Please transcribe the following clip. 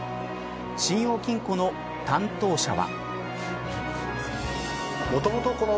信用金庫の担当者は。